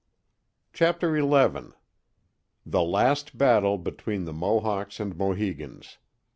Chapter XI The Last Battle between the Mohawks and Mohicans.